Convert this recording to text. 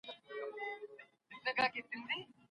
د سولي راوستل د نړيوالي ټولني دنده ده.